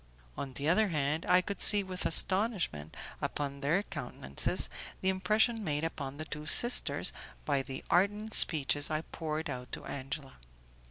On the other hand, I could see with astonishment upon their countenances the impression made upon the two sisters by the ardent speeches I poured out to Angela.